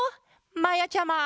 まやちゃま！